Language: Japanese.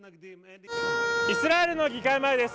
イスラエルの議会前です。